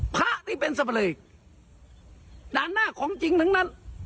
พระนี่เป็นสับเลกด้านหน้าของจริงทั้งนั้น